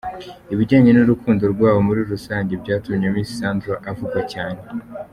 Ibijyanye n’urukundo rwabo muri rusange byatumye Miss Sandra avugwa cyane.